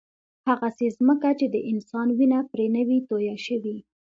هغسې ځمکه چې د انسان وینه پرې نه وي تویه شوې.